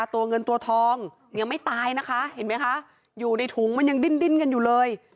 ตัวเงินตัวทองยังไม่ตายนะคะเห็นไหมคะอยู่ในถุงมันยังดิ้นกันอยู่เลย